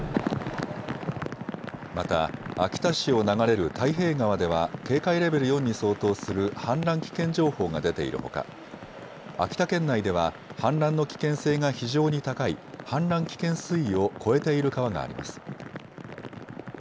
また秋田市を流れる太平川では警戒レベル４に相当する氾濫危険情報が出ているほか秋田県内では氾濫の危険性が非常に高い氾濫危険水位を超えている川があります。